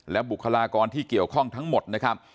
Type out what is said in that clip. และบุคลากรที่เกี่ยวข้องทั้งหมดนะครับ